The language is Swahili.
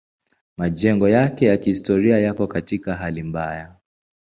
Majengo yake ya kihistoria yako katika hali mbaya.